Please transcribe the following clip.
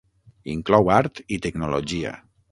Inclou art i tecnologia.